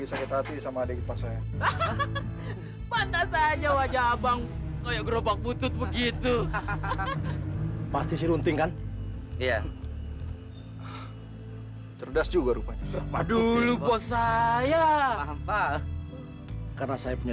sampai jumpa di video selanjutnya